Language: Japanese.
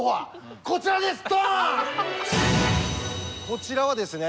こちらはですね